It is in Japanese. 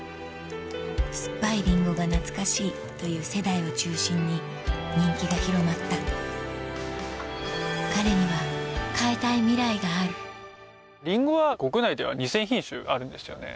酸っぱいりんごが懐かしいという世代を中心に人気が広まった彼には変えたいミライがあるりんごは国内では２０００品種あるんですよね。